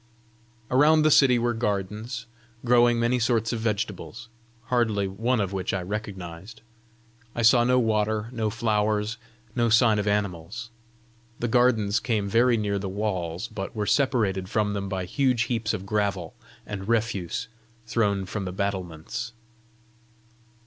Around the city were gardens, growing many sorts of vegetables, hardly one of which I recognised. I saw no water, no flowers, no sign of animals. The gardens came very near the walls, but were separated from them by huge heaps of gravel and refuse thrown from the battlements.